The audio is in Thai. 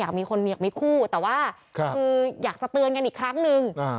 มีคนอยากมีคู่แต่ว่าคืออยากจะเตือนกันอีกครั้งนึง